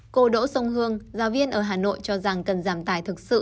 cô đỗ sông hương giáo viên ở hà nội cho rằng cần giảm tài thực sự